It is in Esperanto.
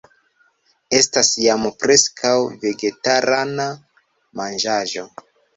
Estas jam preskaŭ vegetarana manĝaĵo